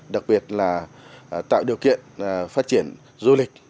đặc biệt là tạo điều kiện phát triển du lịch